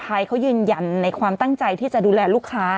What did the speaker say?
ไทยเขายืนยันในความตั้งใจที่จะดูแลลูกค้า